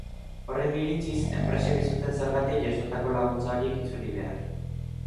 Horren iritziz, enpresek ez zuten zergatik jasotako laguntza horiek itzuli behar.